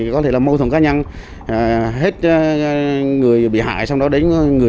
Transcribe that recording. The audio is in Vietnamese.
có thể là mâu thuẫn cá nhân hết người bị hại